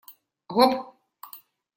Гоп!